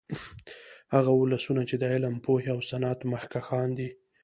هغه ولسونه چې د علم، پوهې او صنعت مخکښان دي